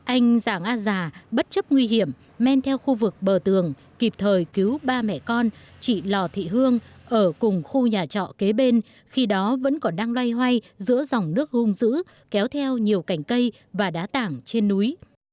anh giảng a già bất chấp nguy hiểm men theo khu vực bờ tường kịp thời cứu ba mẹ con chị lò thị hương ở cùng khu nhà trọ kế bên khi đó vẫn còn đang loay hoay giữa dòng nước hung dữ kéo theo nhiều cành cây và đá tảng trên núi